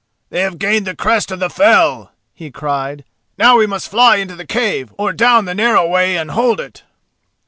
"They have gained the crest of the fell," he cried. "Now we must fly into the cave or down the narrow way and hold it."